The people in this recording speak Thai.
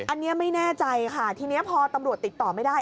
อันนี้ไม่แน่ใจค่ะทีนี้พอตำรวจติดต่อไม่ได้